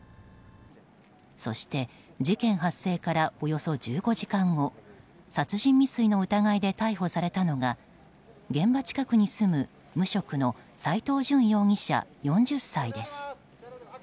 そして事件発生からおよそ１５時間後殺人未遂の疑いで逮捕されたのが現場近くに住む無職の斎藤淳容疑者、４０歳です。